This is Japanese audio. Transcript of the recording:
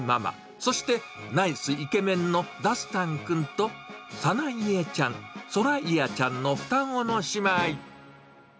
そしてナイス、イケメンのダスタンくんとサナイエちゃん、ソライアちゃんの双子の姉妹。